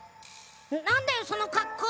なんだよそのかっこう。